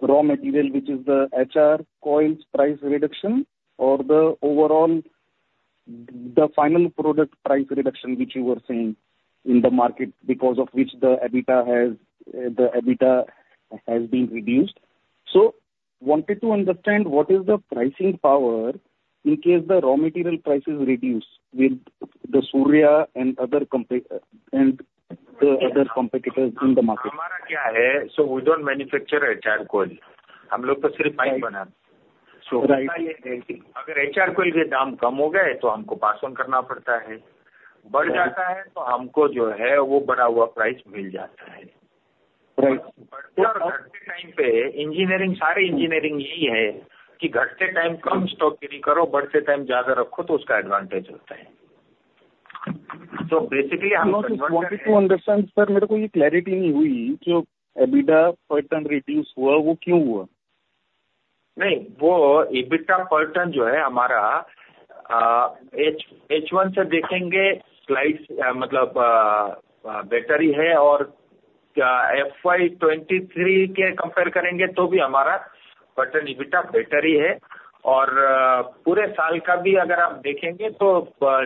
raw material, which is the HR coils price reduction or the overall the final product price reduction, which you are seeing in the market, because of which the EBITDA has. The EBITDA has been reduced. So wanted to understand, what is the pricing power in case the raw material price reduces with the Surya and other company and the other competitors in the market. हमारा क्या है? We don't manufacture HR coil. हम लोग तो सिर्फ pipe बनाते हैं। अगर HR coil के दाम कम हो गए तो हमको pass on करना पड़ता है। बढ़ जाता है तो हमको जो है वो बढ़ा हुआ price मिल जाता है। घटते time पे engineering. सारे engineering यही है कि घटते time कम stock खरीद करो, बढ़ते time ज्यादा रखो तो उसका advantage होता है। Basically. Want to understand, sir, mere ko ye clarity nahi hui ki jo EBITDA per ton reduce hua wo kyun hua? नहीं, वो EBITDA पर टन जो है हमारा H1 से देखेंगे। स्लाइड मतलब बेहतर ही है और FY 2023 के कंपेयर करेंगे तो भी हमारा पर टन EBITDA बेहतर ही है और पूरे साल का भी अगर आप देखेंगे तो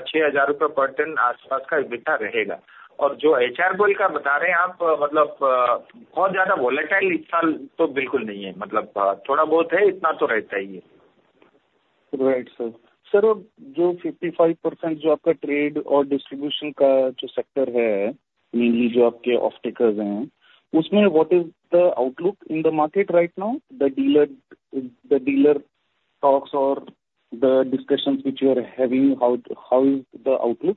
6,000 रुपए पर टन आसपास का EBITDA रहेगा और जो HR Coil का बता रहे हैं, आप मतलब बहुत ज्यादा वोलैटाइल इस साल तो बिल्कुल नहीं है। मतलब थोड़ा बहुत है, इतना तो रहता ही है। Right sir. Sir, aur jo 55% jo aapka trade aur distribution ka jo sector hai, mainly jo aapke off takers hain, usmein what is the outlook in the market right now, the dealer, the dealer talks or the discuss which you are having how is the outlook?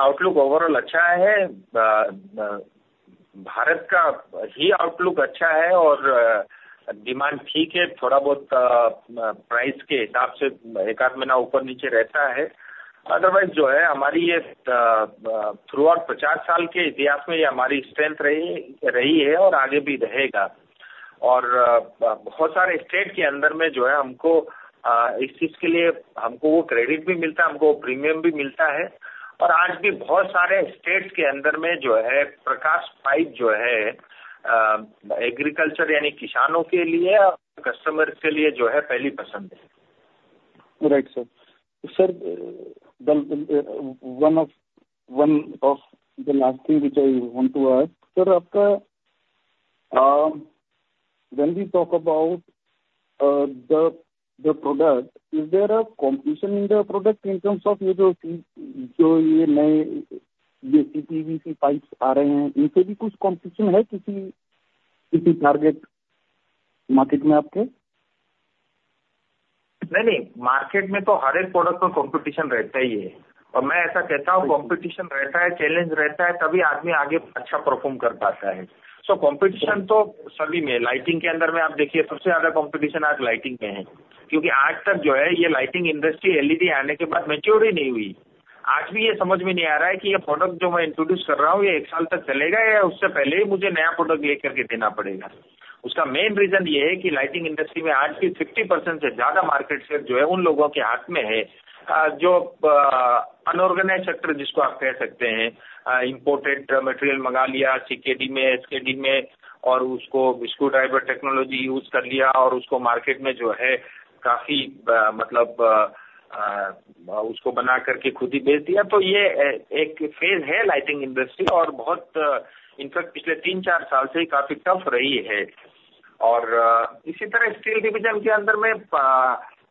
Outlook overall accha hai. Bharat ka hi outlook accha hai aur demand theek hai. Thoda bahut price ke hisab se ek aadh mahina upar neeche rehta hai. Otherwise jo hai hamari yeh throughout 50 saal ke itihas mein yeh hamari strength rahi hai aur aage bhi rahega aur bahut saare state ke andar mein jo hai, hamko is cheez ke liye hamko credit bhi milta hai, hamko premium bhi milta hai aur aaj bhi bahut saare states ke andar mein jo hai. Prakash pipes jo hai agriculture yani kisaanon ke liye aur customer ke liye jo hai, pehli pasand hai. Right sir, sir one of one of the last thing which I want to ask. Sir, aapka when we talk about the product, is there a competition in the product in terms of jo jo ye naye PVC pipes aa rahe hain, inse bhi kuch competition hai. Kisi kisi target market mein aapke. No no, market mein to har ek product ka competition rehta hi hai aur main aisa kehta hoon. Competition rehta hai, challenge rehta hai tabhi aadmi aage accha perform kar paata hai. So competition to sabhi mein hai. Lighting ke andar mein aap dekho, sabse zyada competition aaj lighting mein hai, kyunki aaj tak jo hai ye lighting industry LED aane ke baad mature nahi hui. Aaj bhi yah samajh mein nahi aa raha hai ki yah product jo main introduce kar raha hoon, yah ek saal tak chalega ya usse pehle hi mujhe naya product lekar ke dena padega. Uska main reason yah hai ki lighting industry mein aaj bhi 50% se zyada market share jo hai, un logon ke haath mein hai. Jo unorganized sector jisko aap keh sakte hain, imported material manga liya. CKD mein SKD mein aur usko screw driver technology use kar liya aur usko market mein jo hai kaafi matlab usko bana ke khud hi bech diya to yah ek phase hai lighting industry aur bahut. In fact pichle 3-4 saal se hi kaafi tough rahi hai. इसी तरह steel division के अंदर में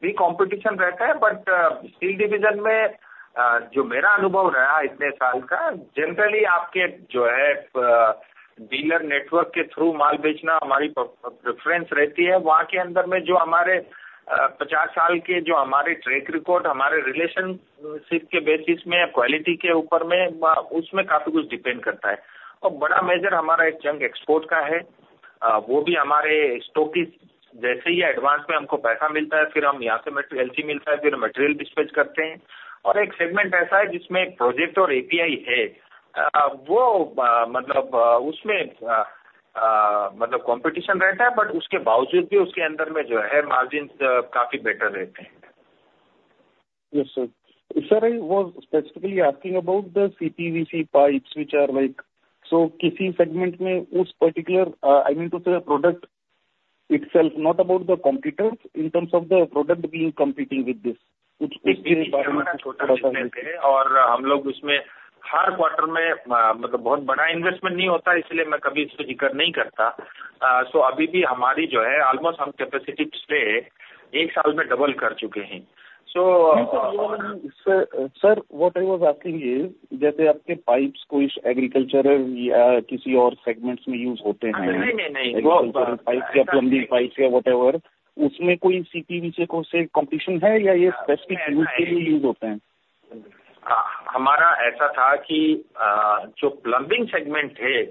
भी कॉम्पिशन रहता है। Steel division में जो मेरा अनुभव रहा, इतने साल का, जनरली आपके जो है डीलर नेटवर्क के थ्रू माल बेचना हमारी प्रेफरेंस रहती है। वहां के अंदर में जो हमारे 50 साल के जो हमारे ट्रैक रिकॉर्ड, हमारे रिलेशनशिप के बेसिस में क्वालिटी के ऊपर में, उसमें काफी कुछ डिपेंड करता है और बड़ा मेजर हमारा एक जंग एक्सपोर्ट का है। वो भी हमारे स्टॉकिस्ट जैसे ही एडवांस में हमको पैसा मिलता है, फिर हम यहां से मटेरियल मिलता है, फिर मटेरियल डिस्पैच करते हैं और एक सेगमेंट ऐसा है, जिसमें प्रोजेक्ट और API है। वो मतलब उसमें मतलब कॉम्पिशन रहता है, उसके बावजूद भी उसके अंदर में जो है, मार्जिन काफी बेहतर रहते हैं। I was specifically asking about the CPVC pipes, which are like so in some segment in that particular I mean product itself, not about the competitor in terms of the product competing with this. Aur hum log usmein har quarter mein matlab bahut bada investment nahi hota hai, isliye main kabhi iska zikr nahi karta. So abhi bhi hamari jo hai, almost hum capacity se ek saal mein double kar chuke hain. Sir, what I was asking is, like your pipes, whether they are used in agriculture or any other segment, pipes or plumbing pipes or whatever, is there any CPVC competition or are they used for specific uses? हमारा ऐसा था कि जो plumbing segment है,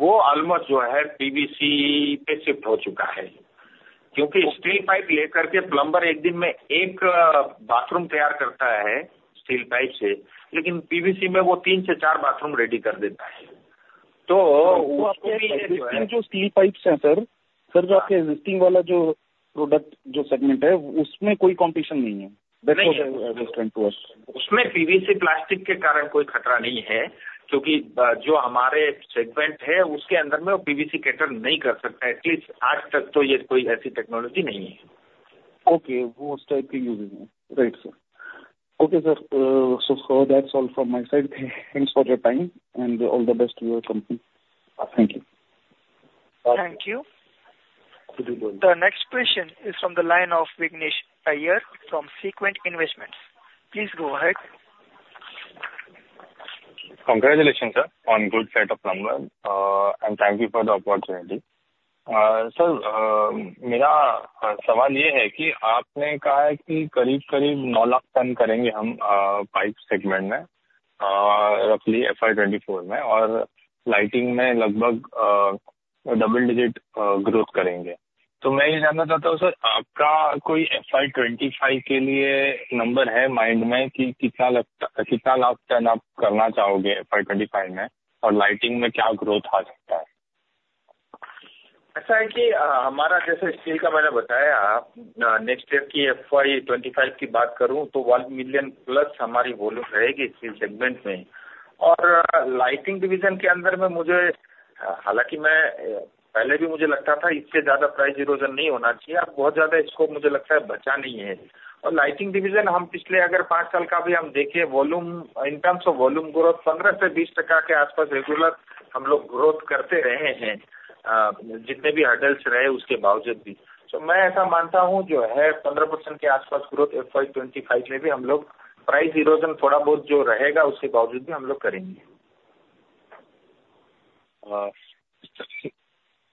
वह almost जो है, PVC पे शिफ्ट हो चुका है, क्योंकि स्टील पाइप लेकर के प्लंबर एक दिन में एक बाथरूम तैयार करता है, स्टील पाइप से, लेकिन पीवीसी में वह तीन से चार बाथरूम रेडी कर देता है। So, those steel pipes of yours, sir, sir, which your existing one which product, which segment is, there is no competition in it. उसमें पीवीसी प्लास्टिक के कारण कोई खतरा नहीं है, क्योंकि जो हमारे सेगमेंट है, उसके अंदर में पीवीसी कैटर नहीं कर सकता है। एटलीस्ट आज तक तो यह कोई ऐसी टेक्नोलॉजी नहीं है। Okay, that type of using right sir. Okay sir, so that's all from my side. Thanks for your time and all the best to your company. Thank you. Thank you. The next question is from the line of Vignesh Iyer from Sequent Investments. Please go ahead. Congratulations sir on good set of numbers and thank you for the opportunity. Sir, mera sawal yah hai ki aapne kaha hai ki kareeb kareeb 900,000 tons karenge hum pipe segment mein aur roughly FY 2024 mein aur lighting mein lagbhag double digit growth karenge. To main yah jaanna chahta hoon, sir, aapka koi FY 2025 ke liye number hai mind mein ki kitna lagta hai, kitna labh aap karna chahoge FY 2025 mein aur lighting mein kya growth aa sakta hai? Aisa hai ki hamara jaise steel ka maine bataya, next year ki FY 2025 ki baat karun to 1 million+ hamari volume rahegi. Steel segment mein aur lighting division ke andar mein mujhe. Halanki main pehle bhi mujhe lagta tha, isse jyada price erosion nahi hona chahiye.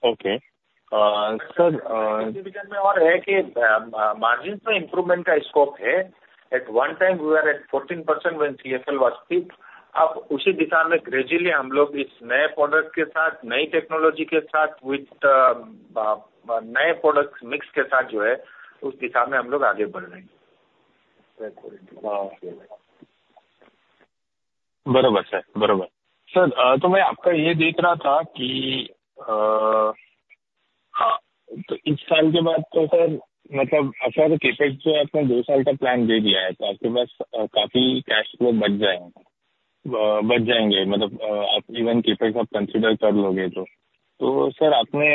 Ab bahut jyada scope mujhe lagta hai bacha nahi hai aur lighting division ham pichle agar 5 saal ka bhi ham dekhen, volume in terms of volume growth 15%-20% ke aaspaas regular ham log growth karte rahe hain. Jitne bhi hurdles rahe, uske bawajood bhi to main aisa manta hoon jo hai. 15% ke aaspaas growth FY 2025 mein bhi ham log price erosion thoda bahut jo rahega, uske bawajood bhi ham log karenge. Okay. Sir, aur hai ki margin mein improvement ka scope hai. At one time we are at 40% one CFL wattage. Ab usi disha mein gradually hum log is naye product ke saath, nayi technology ke saath, with naye product mix ke saath jo hai, us disha mein hum log aage badh rahe hain. हां, बराबर sir, बराबर। Sir मैं आपका यह देख रहा था कि हां, इस साल के बाद सर मतलब ऐसा CapEx जो आपने दो साल का प्लान दे दिया है, तो आपके पास काफी cash flow बच जाएगा, बच जाएंगे। मतलब आप even CapEx consider कर लोगे तो। सर आपने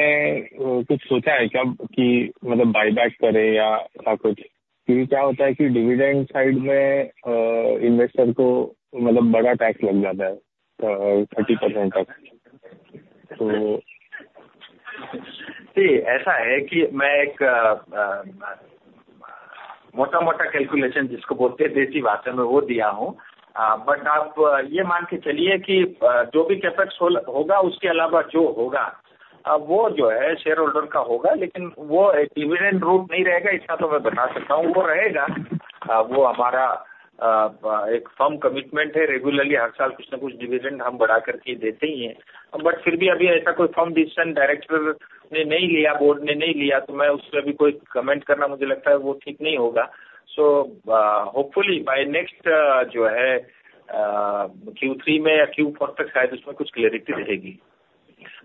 कुछ सोचा है क्या कि मतलब buyback करें या कुछ? क्योंकि क्या होता है कि dividend side में investor को मतलब बड़ा tax लग जाता है, 30% तक तो। Aisa hai ki main ek mota mota calculation jisko bolte hain desi bhasha mein wo diya hoon. But aap ye maan ke chaliye ki jo bhi CapEx hoga, uske alawa jo hoga, wo jo hai shareholder ka hoga, lekin wo dividend route nahi rahega, itna to main bata sakta hoon. Wo rahega. Wo hamara ek firm commitment hai. Regularly har saal kuch na kuch dividend hum badhakar ke dete hi hain. But phir bhi abhi aisa koi firm decision director ne nahi liya, board ne nahi liya to main us par abhi koi comment karna mujhe lagta hai wo theek nahi hoga. So hopefully by next jo hai, Q3 mein ya Q4 tak shayad usmein kuch clarity rahegi.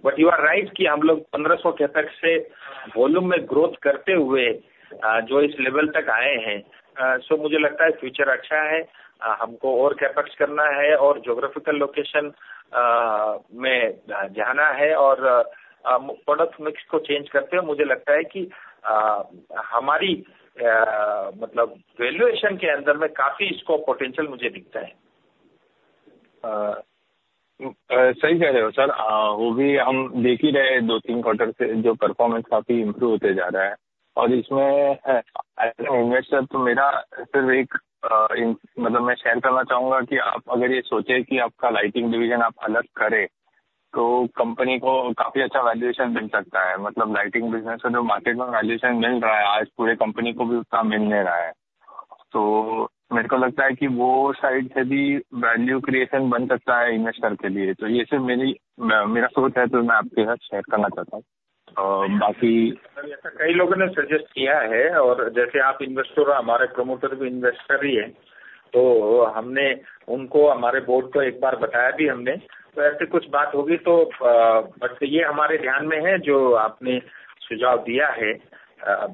But you are right ki hum log 1,500 CapEx se volume mein growth karte hue jo is level tak aaye hain, so mujhe lagta hai future accha hai. Humko aur CapEx karna hai aur geographical location mein jana hai aur product mix ko change karte hue mujhe lagta hai ki hamari matlab valuation ke andar mein kaafi scope potential mujhe dikhta hai. सही कह रहे हो sir, वो भी हम देख ही रहे हैं। दो तीन क्वार्टर से जो परफॉर्मेंस काफी इंप्रूव होते जा रहा है और इसमें इन्वेस्टर तो मेरा सिर्फ एक मतलब मैं शेयर करना चाहूंगा कि आप अगर ये सोचे कि आपका लाइटिंग डिविजन आप अलग करें तो कंपनी को काफी अच्छा वैल्यूएशन मिल सकता है। मतलब लाइटिंग बिजनेस से जो मार्केट में वैल्यूएशन मिल रहा है, आज पूरे कंपनी को भी उतना मिल नहीं रहा है। मेरे को लगता है कि वो साइड से भी वैल्यू क्रिएशन बन सकता है इन्वेस्टर के लिए तो ये सिर्फ मेरी, मेरा सोच है, जो मैं आपके साथ शेयर करना चाहता हूं। और बाकी। कई लोगों ने सजेस्ट किया है और जैसे आप इन्वेस्टर और हमारे प्रमोटर भी इन्वेस्टर ही हैं, तो हमने उनको हमारे बोर्ड को एक बार बताया भी हमने। तो ऐसी कुछ बात होगी तो, बट ये हमारे ध्यान में है जो आपने सुझाव दिया है।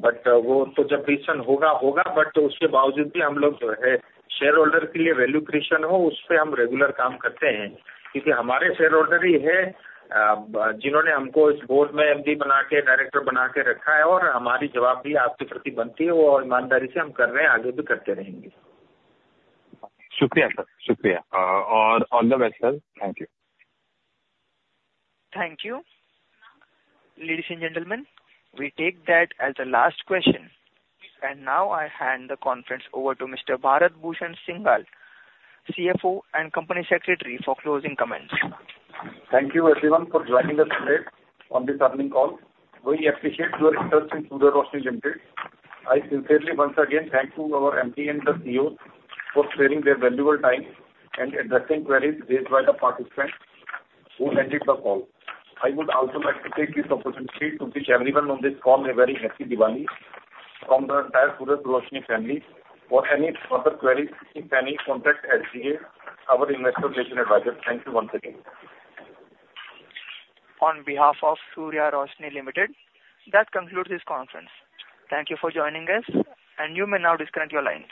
बट वो तो जब डिसीजन होगा, होगा। बट उसके बावजूद भी हम लोग जो है शेयरहोल्डर के लिए वैल्यू क्रिएशन हो, उस पर हम रेगुलर काम करते हैं, क्योंकि हमारे शेयरहोल्डर ही है जिन्होंने हमको इस बोर्ड में एमडी बनाकर, डायरेक्टर बनाकर रखा है और हमारी जवाब भी आपके प्रति बनती है और ईमानदारी से हम कर रहे हैं, आगे भी करते रहेंगे। Shukriya sir, shukriya aur all the best sir! Thank you. Thank you. Ladies and gentlemen, we take that as a last question and now I hand over to Mr. Bharat Bhushan Singhal, CFO and Company Secretary for closing comment. Thank you everyone for joining us today on this earnings call. We appreciate your interest in Surya Roshni Limited. I sincerely once again thank our MD and CEO for sparing the valuable time and addressing queries raised by the participants who joined the call. I would also like to take this opportunity to wish everyone on this call a very happy Diwali from the entire Surya Roshni family. For any further queries, if any, contact SGA, our investor relations advisor. Thank you once again. On behalf of Surya Roshni Limited, that concludes this conference. Thank you for joining us and you may now disconnect your lines.